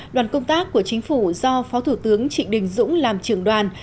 đoàn công tác của chính phủ do phó thủ tướng trịnh đình dũng làm trưởng đoàn